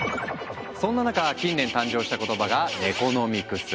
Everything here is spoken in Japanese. そんな中近年誕生した言葉が「ネコノミクス」。